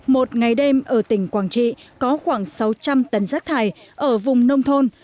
một ngày đêm ở tỉnh quảng trị có khoảng sáu trăm linh tấn rác thải ở vùng nông thôn